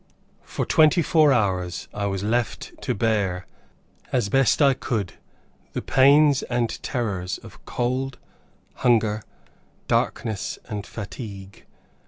For twenty four hours I was left to bear as I best could the pains and terrors of cold, hunger, darkness, and fatigue.